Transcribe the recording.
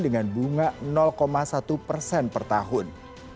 dengan bunga satu persen per tahun